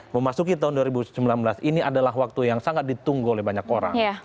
memasuki tahun dua ribu sembilan belas ini adalah waktu yang sangat ditunggu oleh banyak orang